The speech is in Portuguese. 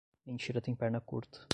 Mentira tem perna curta.